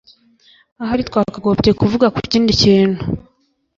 Ahari twakagombye kuvuga kukindi kintu.